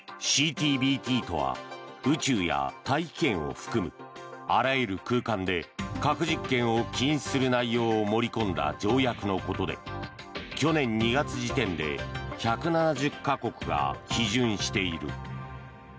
ＣＴＢＴとは宇宙や大気圏を含むあらゆる空間で核実験を禁止する内容を盛り込んだ条約のことで去年２月時点で１７０か国が批准している。